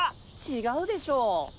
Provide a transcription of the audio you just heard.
違うでしょ。